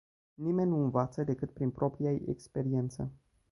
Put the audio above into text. Nimeni nu învață decât prin propria-i experiență.